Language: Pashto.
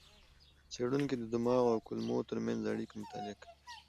څېړونکي د دماغ او کولمو ترمنځ اړیکې مطالعه کوي.